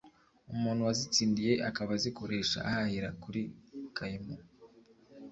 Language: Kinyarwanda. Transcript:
umuntu wazitsindiye akaba azikoresha ahahira kuri Kaymu